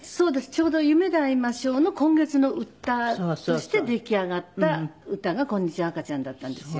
ちょうど『夢であいましょう』の「今月のうた」として出来上がった歌が『こんにちは赤ちゃん』だったんですよ。